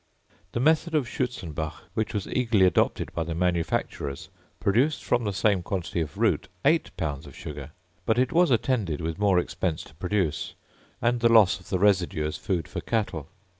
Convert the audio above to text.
The method of Schutzenbach, which was eagerly adopted by the manufacturers, produced from the same quantity of root 8 lbs. of sugar; but it was attended with more expense to produce, and the loss of the residue as food for cattle.